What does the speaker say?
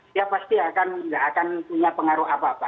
dia pasti nggak akan punya pengaruh apa apa